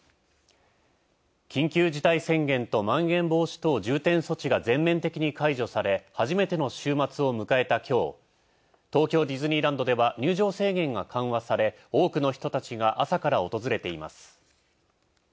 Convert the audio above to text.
「緊急事態宣言」と「まん延防止等重点措置」が全面的に解除され初めての週末を迎えた今日、東京ディズニーランドでは入場制限が緩和され、多くの人たちが朝から訪れています。